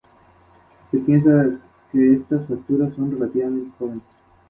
La orden es usada por los miembros de la familia real danesa.